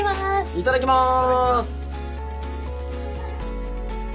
いただきます。